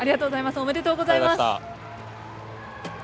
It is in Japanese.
おめでとうございます。